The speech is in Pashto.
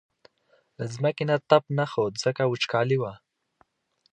له ځمکې نه تپ نه خوت ځکه وچکالي وه.